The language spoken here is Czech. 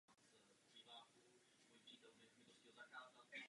Výskyt vedlejších účinků je individuální.